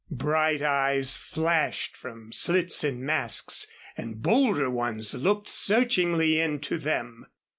Bright eyes flashed from slits in masks and bolder ones looked searchingly into them.